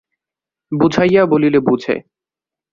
বুঝাইয়া বলিলে বুঝে।